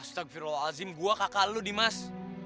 astagfirullahaladzim gua kakak lu dimas